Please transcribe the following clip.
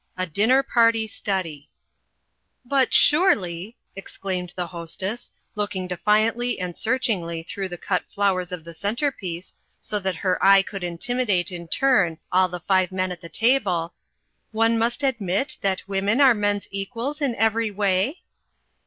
A Dinner party Study "But, surely," exclaimed the Hostess, looking defiantly and searchingly through the cut flowers of the centre piece, so that her eye could intimidate in turn all the five men at the table, "one must admit that women are men's equals in every way?"